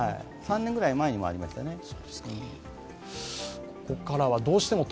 ３年ぐらい前にもありましたね。